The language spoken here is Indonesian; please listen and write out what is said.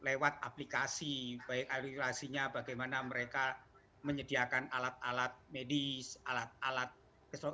lewat aplikasi baik aplikasinya bagaimana mereka menyediakan alat alat medis alat alat keseluruhan